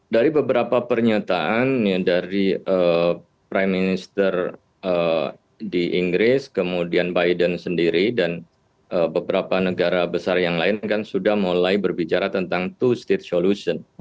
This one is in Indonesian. dari beberapa pernyataan dari prime minister di inggris kemudian biden sendiri dan beberapa negara besar yang lain kan sudah mulai berbicara tentang two state solution